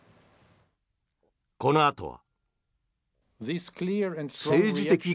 このあとは。